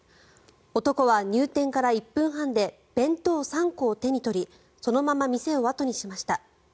男は入店から１分半で弁当３個を手に取りそのまま店を後にしました。